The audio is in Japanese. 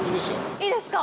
いいですか？